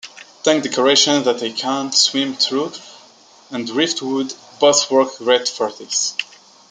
Tank decorations that they can swim through and driftwood both work great for this.